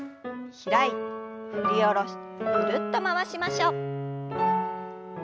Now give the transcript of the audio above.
開いて振り下ろしてぐるっと回しましょう。